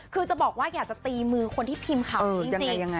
คือจะบอกว่าอยากจะตีมือคนที่พิมพ์ข่าวนี้จริง